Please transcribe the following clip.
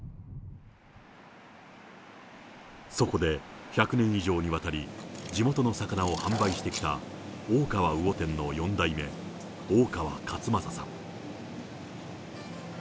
そこで１００年以上にわたり、地元の魚を販売してきた大川魚店の４代目、大川勝正さん。